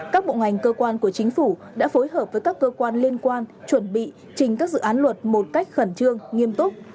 các bộ ngành cơ quan của chính phủ đã phối hợp với các cơ quan liên quan chuẩn bị trình các dự án luật một cách khẩn trương nghiêm túc